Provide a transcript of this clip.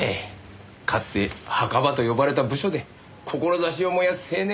かつて墓場と呼ばれた部署で志を燃やす青年。